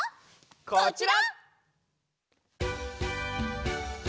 こちら！